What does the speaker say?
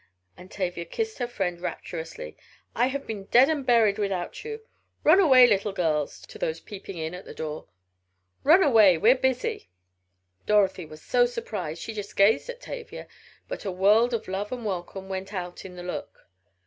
and Tavia kissed her friend rapturously. "I have been dead and buried without you. Run away, little girls (to those peeping in at the door). Run away we're busy." Dorothy was so surprised she just gazed at Tavia, but a world of love and welcome went out in the look.